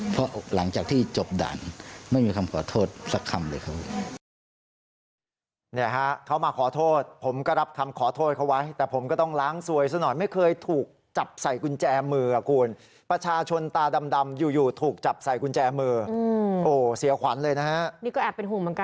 เพราะหลังจากที่จบด่านไม่มีคำขอโทษสักคำเลยครับ